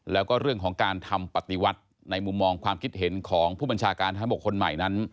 แล้วก็เรื่องของการทำปฏิวัติในมุมมองความคิดเห็นของผู้บัญชาการทหารบกคนใหม่นั้น